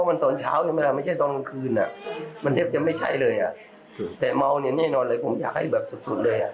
มันใช่จะไม่ใช่เลยอ่ะแต่เมาเนี่ยแน่นอนเลยผมอยากให้แบบสุดสุดเลยอ่ะ